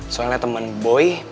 soalnya temen boy